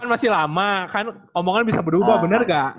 kan masih lama kan omongan bisa berubah bener gak